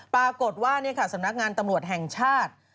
ปรากฏว่าสำนักงานตำรวจแห่งชาติ